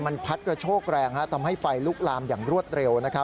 มันพัดกระโชกแรงทำให้ไฟลุกลามอย่างรวดเร็ว